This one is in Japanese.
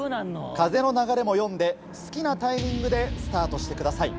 風の流れも読んで好きなタイミングでスタートしてください。